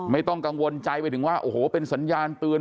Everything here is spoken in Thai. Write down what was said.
ไม่ต้องกังวลใจไปถึงว่าโอ้โหเป็นสัญญาณเตือน